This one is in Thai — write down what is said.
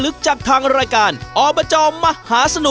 ถือว่าอันนี้ผ่านนะผ่าน